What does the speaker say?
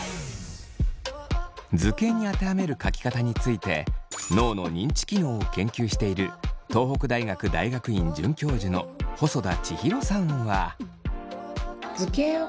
図形に当てはめる書き方について脳の認知機能を研究している東北大学大学院准教授の細田千尋さんは。